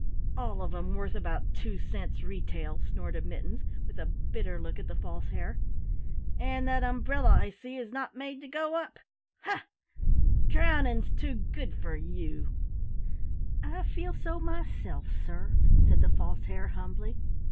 "All of 'em worth about two cents retail," snorted Mittens with a bitter look at the False Hare. "And that umbrella, I see, is not made to go up! Huh! Drowning's too good for you!" "I feel so myself, sir," said the False Hare humbly.